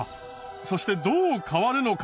そしてどう変わるのか？